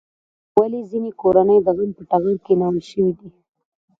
ولې ځینې کورنۍ د غم په ټغر کېنول شوې دي؟